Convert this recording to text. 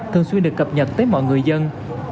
thường xuyên được cập nhật tới mọi người dân